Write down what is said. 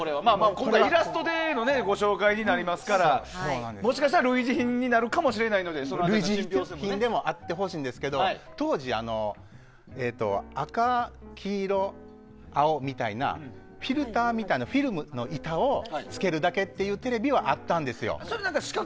今回イラストでのご紹介になりますからもしかしたら類似品になるかもしれないので類似品でもあってほしいんですけど当時、赤、黄色、青みたいなフィルターみたいなフィルムの板をつけるだけっていうテレビはあったんですよ。